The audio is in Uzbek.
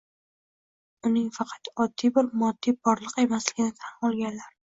uning faqat oddiy bir moddiy borliq emasligini tan olganlar